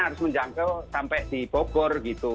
harus menjangkau sampai di bogor gitu